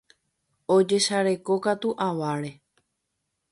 Ojesarekokatu aváre.